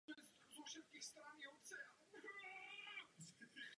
Dále třeba v Jižní Africe či Malajsii se prodával jako Nissan Langley.